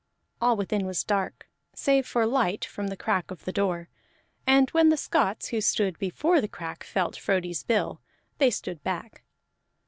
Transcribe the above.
All within was dark, save for light from the crack of the door; and when the Scots who stood before the crack felt Frodi's bill, they stood back.